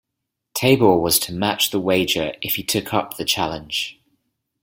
Tabor was to match the wager if he took up the challenge.